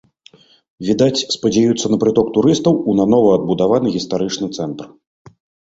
Відаць, спадзяюцца на прыток турыстаў у нанова адбудаваны гістарычны цэнтр.